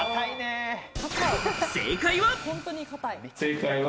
正解は。